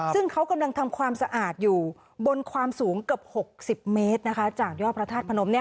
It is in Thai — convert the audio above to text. ซึ่งเขากำลังทำความสะอาดอยู่บนความสูงเกือบ๖๐เมตรนะคะจากยอดพระธาตุพนมเนี่ย